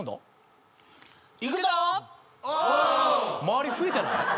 周り増えてない？